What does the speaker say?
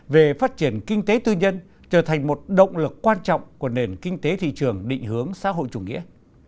về phát triển kinh tế tư nhân trở thành một động lực quan trọng của nền kinh tế thị trường định hướng xã hội chủ nghĩa